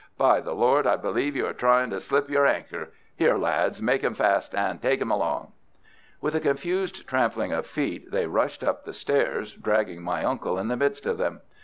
By the Lord, I believe you are trying to slip your anchor. Here, lads, make him fast and take him along!" With a confused trampling of feet they rushed up the stairs, dragging my uncle in the midst of them.